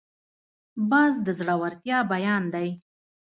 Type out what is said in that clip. باز د زړورتیا بیان دی